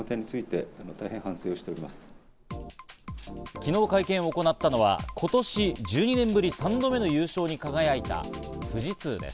昨日、会見を行ったのは今年１２年ぶり３度目の優勝に輝いた富士通です。